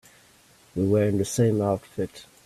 We were in the same outfit.